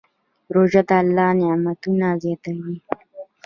روژه د الله نعمتونه زیاتوي.